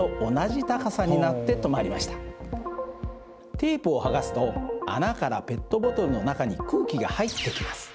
テープを剥がすと穴からペットボトルの中に空気が入ってきます。